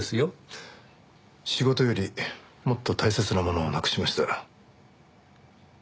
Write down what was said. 仕事よりもっと大切なものをなくしました。